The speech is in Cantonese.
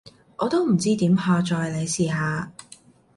我都唔知點下載，你試下？